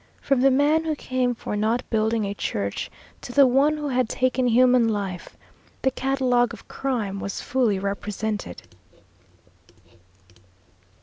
From the man who came for not building a church to the one who had taken human life, the catalogue of crime was fully represented.